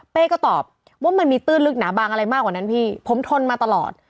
ก็ตอบว่ามันมีตื้นลึกหนาบางอะไรมากกว่านั้นพี่ผมทนมาตลอด